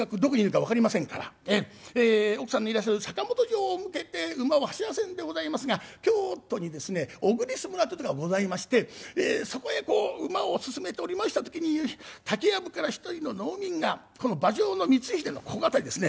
奥さんのいらっしゃる坂本城向けて馬を走らせるんでございますが京都にですね小栗栖村というとこがございましてそこへこう馬を進めておりました時に竹やぶから一人の農民がこの馬上の光秀のここ辺りですね